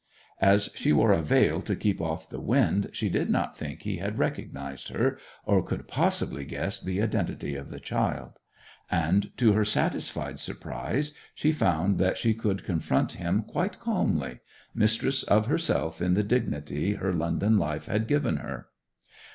As she wore a veil to keep off the wind she did not think he had recognized her, or could possibly guess the identity of the child; and to her satisfied surprise she found that she could confront him quite calmly—mistress of herself in the dignity her London life had given her.